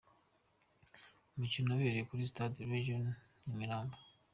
Umukino wabereye kuri Stade Regional i Nyamirambo.